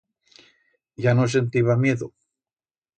Ya no sentiba miedo.